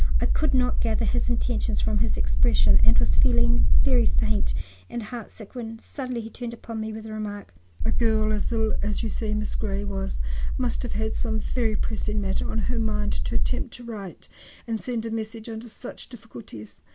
I could not gather his intentions from his expression, and was feeling very faint and heart sick when he suddenly turned upon me with the remark: "A girl as ill as you say Miss Grey was must have had some very pressing matter on her mind to attempt to write and send a message under such difficulties.